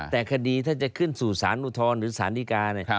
แต่คดีถ้าจะขึ้นสู่สารอุทธรณ์หรือสารดีกาเนี่ย